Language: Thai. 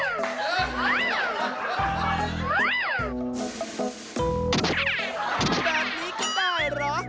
แบบนี้ก็ได้เหรอ